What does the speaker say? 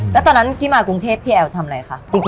แล้วตอนนั้นที่มากรุงเทพพี่แอลทำอะไรคะ